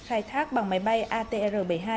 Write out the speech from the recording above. khai thác bằng máy bay atr bảy mươi hai